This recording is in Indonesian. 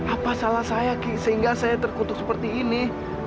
apa salah saya sehingga saya terkutuk seperti ini